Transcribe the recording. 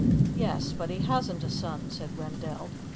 Yes, but he hasn't a son," said Wendell.